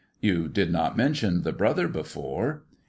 "You did not mention the brother before?